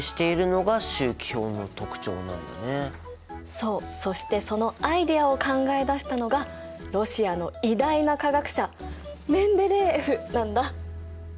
そうそしてそのアイデアを考え出したのがロシアの偉大な化学者メンデレーエフなんだ。